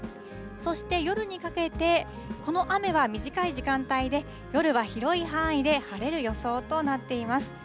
そして夜にかけて、この雨は短い時間帯で、夜は広い範囲で晴れる予想となっています。